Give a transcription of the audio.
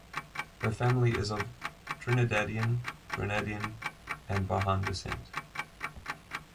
Her family is of Trinidadian, Grenadian, and Bajan descent.